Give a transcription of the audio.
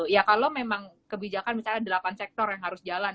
ya kalau memang kebijakan misalnya delapan sektor yang harus jalan